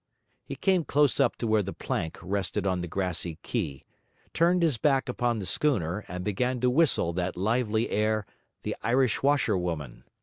He came close up to where the plank rested on the grassy quay; turned his back upon the schooner, and began to whistle that lively air, 'The Irish Washerwoman.'